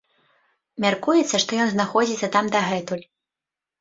Мяркуецца, што ён знаходзіцца там дагэтуль.